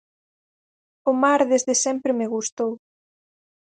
O mar desde sempre me gustou.